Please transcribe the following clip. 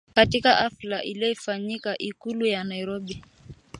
katika hafla iliyofanyika Ikulu ya Nairobi